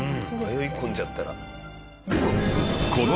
迷い込んじゃったら。